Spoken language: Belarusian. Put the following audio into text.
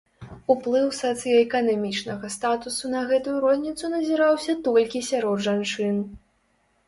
Уплыў сацыяэканамічнага статусу на гэтую розніцу назіраўся толькі сярод жанчын.